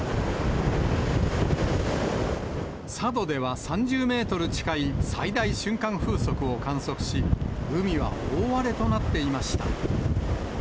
佐渡では３０メートル近い最大瞬間風速を観測し、海は大荒れとなっていました。